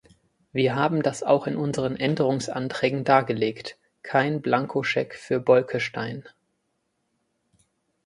Wir haben das auch in unseren Änderungsanträgen dargelegt: Kein Blankoscheck für Bolkestein!